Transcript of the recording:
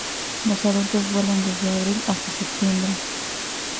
Los adultos vuelan desde Abril hasta Septiembre.